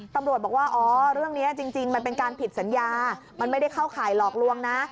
ตำรวจบอกว่าอ๋อเรื่องนี้จริงมันเป็นการผิดสัญญามันไม่ได้เข้าข่ายหลอกลวงนะ